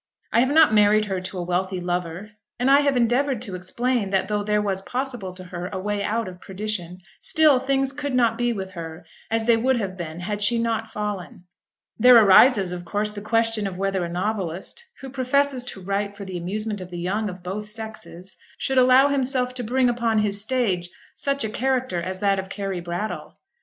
I have not married her to a wealthy lover, and I have endeavoured to explain that though there was possible to her a way out of perdition, still things could not be with her as they would have been had she not fallen. There arises, of course, the question whether a novelist, who professes to write for the amusement of the young of both sexes, should allow himself to bring upon his stage such a character as that of Carry Brattle?